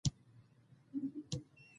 د وچولې ورم شوې ناحیه و پړسېدل.